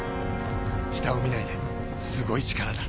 下を見ないですごい力だ。